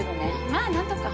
まあ何とか。